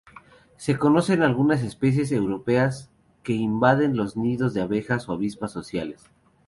Se conocen algunas especies europeas que invaden los nidos de abejas o avispas sociales.